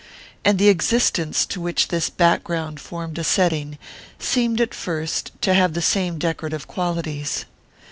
And the existence to which this background formed a setting seemed at first to have the same decorative qualities.